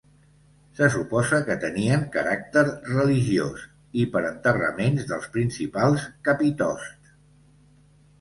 Se suposa que tenien caràcter religiós, i per enterraments dels principals capitosts.